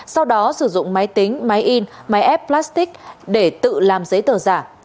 sau đó sử dụng máy tính máy in máy ép plastic để tự làm giấy tờ giả